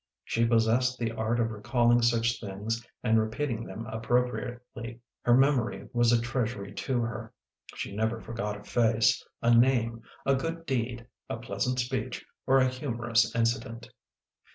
She possessed the art of recalling such things and repeating them appropriately. Her memory was a treasury to her. She never forgot a face, a name, a good deed, a pleasant speech or a humorous incident.